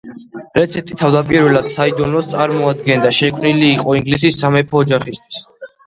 რეცეპტი თავდაპირველად საიდუმლოს წარმოადგენდა, შექმნილი იყო ინგლისის სამეფო ოჯახისთვის.